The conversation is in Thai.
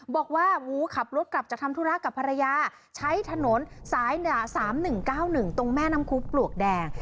บอกว่าขับรถกลับจากทำธุระกับภรรยาใช้ถนนสาย๓๑๙๑ตรงแม่น้ำคุกปลวกแดง